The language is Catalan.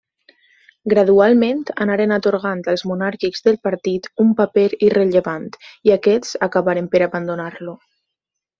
Gradualment anaren atorgant als monàrquics del partit un paper irrellevant i aquests acabaren per abandonar-lo.